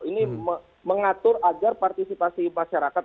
ini mengatur agar partisipasi masyarakat